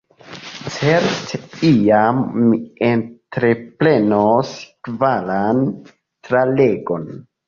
Certe, iam mi entreprenos kvaran tralegon.